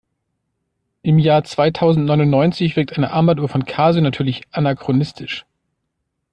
Im Jahr zweitausendneunundneunzig wirkt eine Armbanduhr von Casio natürlich anachronistisch.